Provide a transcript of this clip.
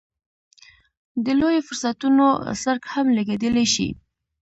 د لویو فرصتونو څرک هم لګېدلی شي.